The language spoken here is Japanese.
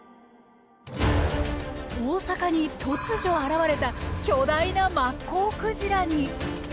大阪に突如現れた巨大なマッコウクジラに。